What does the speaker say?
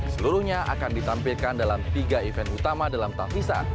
seluruhnya akan ditampilkan dalam tiga event utama dalam tavisa